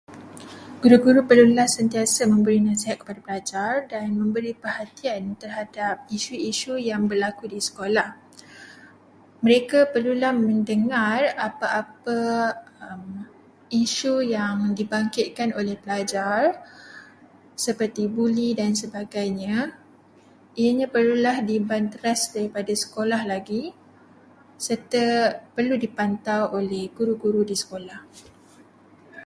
Guru-guru perlulah sentiasa memberi nasihat kepada pelajar dan memberi perhatian terhadap isu-isu yang berlaku di sekolah. Mereka perlulah mendengar apa-apa isu-isu yang dibangkitkan oleh pelajar seperti buli dan sebagainya. Ianya perlulah dibanteras dari sekolah lagi serta perlu dipantau oleh guru-guru di sekolah.